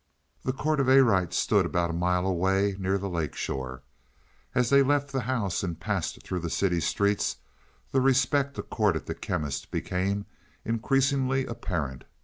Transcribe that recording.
The court of Arite stood about a mile away near the lake shore. As they left the house and passed through the city streets the respect accorded the Chemist became increasingly apparent.